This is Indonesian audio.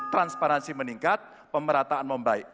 transparansi meningkat pemerataan membaik